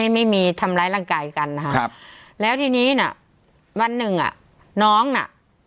ไม่มีทำร้ายร่างกายกันนะครับแล้วทีนี้น่ะวันหนึ่งอ่ะน้องน่ะ